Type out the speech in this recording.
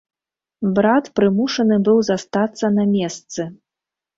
Брат прымушаны быў застацца на месцы.